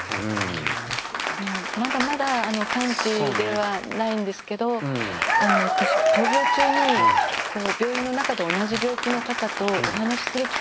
まだまだ完治ではないんですけど私闘病中に病院の中で同じ病気の方とお話しする機会がなかったんです。